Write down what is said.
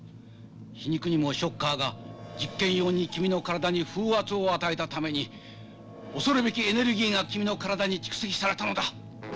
皮肉にもショッカーが実験用に君の体に風圧を与えたために恐るべきエネルギーが君の体に蓄積されたのだ。